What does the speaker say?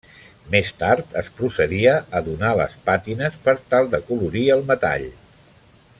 Més tard es procedia a donar les pàtines, per tal d'acolorir el metall.